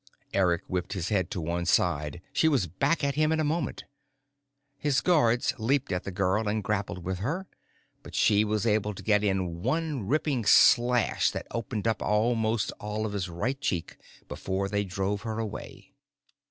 Eric whipped his head to one side; she was back at him in a moment. His guards leaped at the girl and grappled with her, but she was able to get in one ripping slash that opened up almost all of his right cheek before they drove her away.